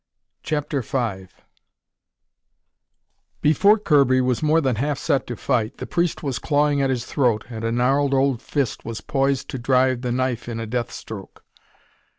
CHAPTER V Before Kirby was more than half set to fight, the priest was clawing at his throat, and a gnarled old fist was poised to drive the knife in a death stroke.